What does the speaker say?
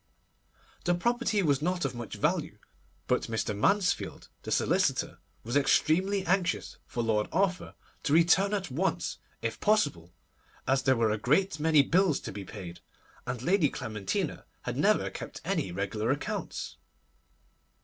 The property was not of much value; but Mr. Mansfield, the solicitor, was extremely anxious for Lord Arthur to return at once, if possible, as there were a great many bills to be paid, and Lady Clementina had never kept any regular accounts.